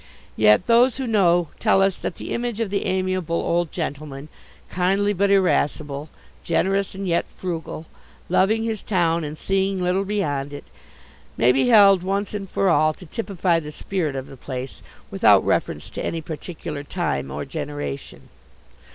Yet those who know tell us that the image of the amiable old gentleman, kindly but irascible, generous and yet frugal, loving his town and seeing little beyond it, may be held once and for all to typify the spirit of the place, without reference to any particular time or generation."